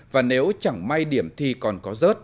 và nếu chẳng may điểm thi còn có rớt